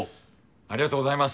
ありがとうございます。